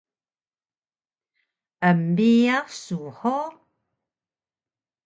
Embiyax su hug?